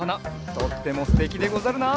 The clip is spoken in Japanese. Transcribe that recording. とってもすてきでござるな！